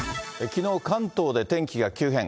きのう、関東で天気が急変。